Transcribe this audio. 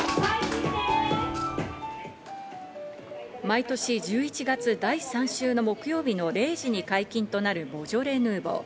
毎年１１月、第３週の木曜日の０時に解禁となるボジョレ・ヌーボー。